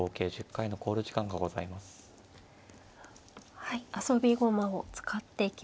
はい。